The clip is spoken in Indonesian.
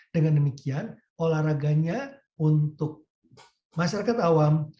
dengan demikian olahraganya untuk masyarakat awam